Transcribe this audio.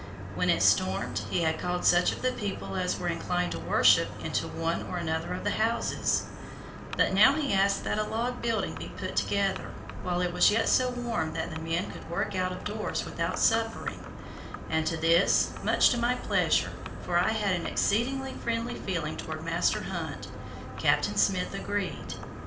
When it stormed, he had called such of the people as were inclined to worship into one or another of the houses; but now he asked that a log building be put together, while it was yet so warm that the men could work out of doors without suffering, and to this, much to my pleasure, for I had an exceedingly friendly feeling toward Master Hunt, Captain Smith agreed.